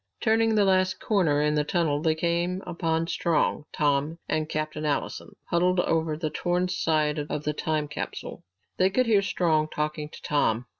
Turning the last corner in the tunnel they came upon Strong, Tom, and Captain Allison huddled near the torn side of the time capsule. They could hear Strong talking to Tom.